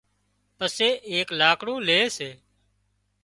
پسي ايڪ لاڪڙون لي سي